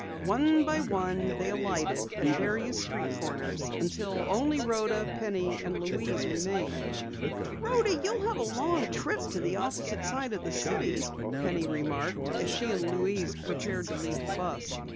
One by one they alighted at various street corners until only Rhoda, Penny, and Louise remained. "Rhoda, you'll have a long ride to the opposite side of the city," Penny remarked as she and Louise prepared to leave the bus.